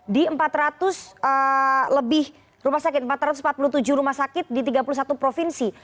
di empat ratus lebih rumah sakit empat ratus empat puluh tujuh rumah sakit di tiga puluh satu provinsi